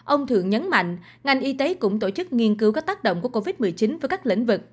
ông thượng nhấn mạnh ngành y tế cũng tổ chức nghiên cứu các tác động của covid một mươi chín với các lĩnh vực